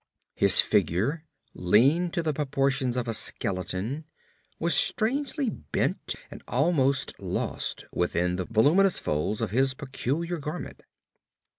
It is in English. His figure, lean to the proportions of a skeleton, was strangely bent and almost lost within the voluminous folds of his peculiar garment.